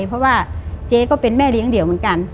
เพราะว่าเจ๊ก็เป็นแม่เลี้ยงเดี่ยวเหมือนกัน